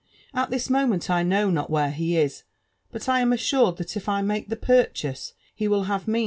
At this moment I \ntm not nrhiM^ h» \%,; btiit I am assured that if I make the ptirehase, he ^ilt hate mean!